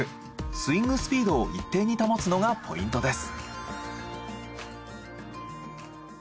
スイングスピードを一定に保つのがポイントです。